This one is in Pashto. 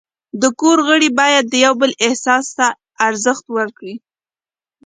د کور غړي باید د یو بل احساس ته ارزښت ورکړي.